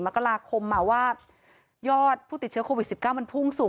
มกราคมว่ายอดผู้ติดเชื้อโควิด๑๙มันพุ่งสูง